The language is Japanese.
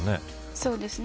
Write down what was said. そうですね。